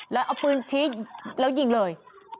แล้วเอาปืนชี้แล้วยิงเลย